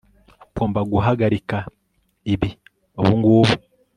Ugomba guhagarika ibi ubungubu